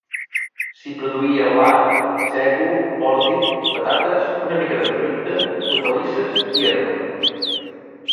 S'hi produïa blat, sègol, ordi, patates, una mica de fruita, hortalisses i herba.